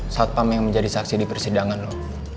saat pam yang menjadi saksi di persidangan lo